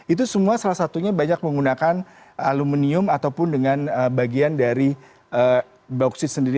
itu semua salah satunya banyak menggunakan aluminium ataupun dengan bagian dari bauksit sendiri